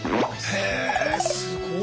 へぇすごい！